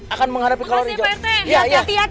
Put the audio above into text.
akan menghadapi kolor hijau makasih pak rete